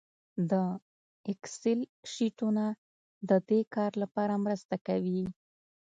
د اکسل شیټونه د دې کار لپاره مرسته کوي